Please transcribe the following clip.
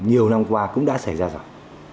nhiều năm qua cũng đã xảy ra rồi